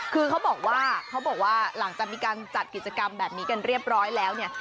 คือเขาบอกว่าเขาบอกว่าหลังจากมีการจัดกิจกรรมแบบนี้กันเรียบร้อยแล้วเนี่ย